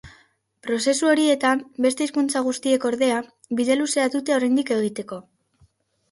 Prozesu horietan; beste hizkuntza guztiek, ordea, bide luzea dute oraindik egiteko.